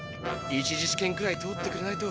１次試験ぐらい通ってくれないと